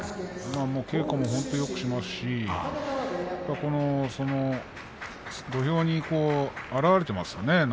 稽古も本当によくしますし土俵に表れていますよね。